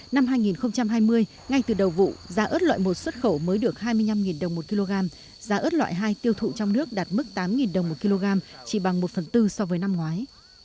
năm hai nghìn hai mươi ngay từ đầu vụ giá ớt loại một xuất khẩu mới được hai mươi năm đồng một kg giá ớt loại hai tiêu thụ trong nước đạt mức tám đồng một kg chỉ bằng một phần tư so với năm ngoái